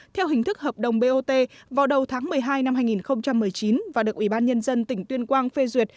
theo hình thức hợp đồng bot vào đầu tháng một mươi hai năm hai nghìn một mươi chín và được ủy ban nhân dân tỉnh tuyên quang phê duyệt